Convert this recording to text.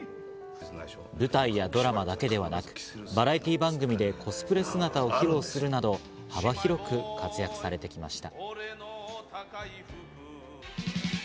舞台やドラマだけではなく、バラエティー番組でコスプレ姿を披露するなど幅広く活躍されてきました。